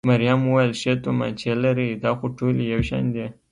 مريم وویل: ښې تومانچې لرئ؟ دا خو ټولې یو شان دي.